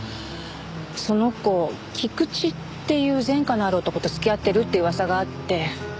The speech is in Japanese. その子キクチっていう前科のある男と付き合ってるって噂があって。